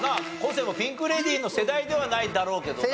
生もピンク・レディーの世代ではないだろうけどな。